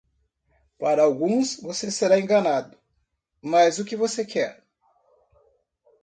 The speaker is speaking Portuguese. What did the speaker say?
Para alguns, você será enganado, mas o que você quer?